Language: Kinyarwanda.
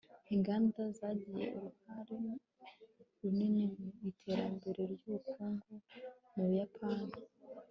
Inganda zagize uruhare runini mu iterambere ryubukungu mu Buyapani